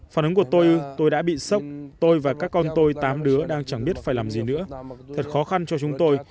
phản ứng của tôi tôi đã bị sốc tôi và các con tôi tám đứa đang chẳng biết phải làm gì nữa thật khó khăn cho chúng tôi